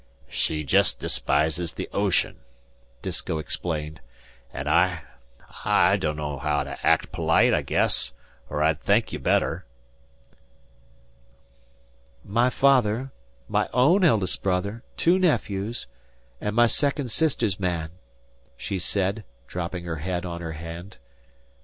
"She jest despises the ocean," Disko explained, "an' I I dunno haow to act polite, I guess, er I'd thank you better." "My father my own eldest brother two nephews an' my second sister's man," she said, dropping her head on her hand.